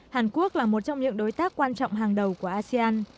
hàn quốc là một trong những đối tác quan trọng hàng đầu của asean